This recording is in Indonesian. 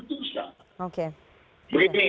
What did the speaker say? sehingga ada keputusan